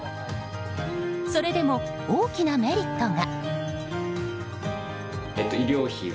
それでも大きなメリットが。